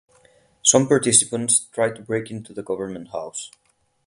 Some participants tried to break into the Government House.